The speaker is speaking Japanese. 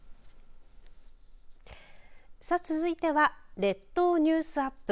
さあ、続いては列島ニュースアップ。